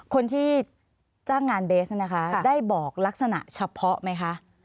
คนที่จ้างงานเบสนะคะได้บอกลักษณะเฉพาะไหมคะ